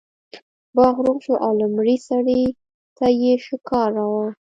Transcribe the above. باز روغ شو او لومړي سړي ته یې شکار راوړ.